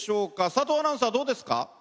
佐藤アナウンサーどうですか。